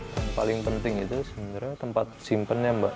yang paling penting itu sebenarnya tempat simpannya mbak